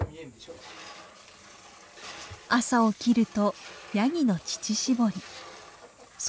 朝起きるとヤギの乳搾り。